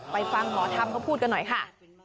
ไปฟังหมอธรรมเขาพูดกันหน่อยค่ะ